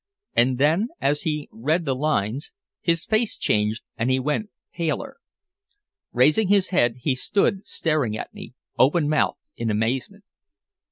And then, as he read the lines, his face changed and he went paler. Raising his head, he stood staring at me open mouthed in amazement.